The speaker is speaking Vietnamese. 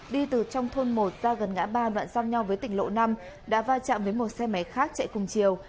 đi từ trong thôn một ra gần ngã ba đoạn giao nhau với tỉnh lộ năm đã va chạm với một xe máy khác chạy cùng chiều